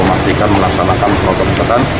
memastikan melaksanakan protokol kesehatan